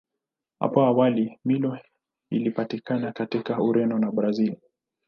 Hapo awali Milo ilipatikana katika Ureno na Brazili.